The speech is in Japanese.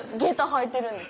履いてるんです